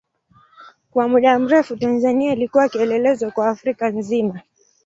Kwa muda mrefu Tanzania ilikuwa kielelezo kwa Afrika nzima.